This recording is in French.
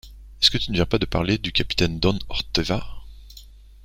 Est-ce que tu ne viens pas de parler du capitaine don Orteva